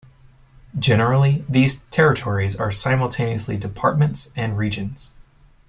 Generally, these territories are simultaneously departments and regions.